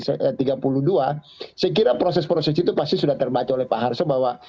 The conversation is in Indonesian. saya kira proses proses itu pasti sudah terbaca oleh pak harso bahwa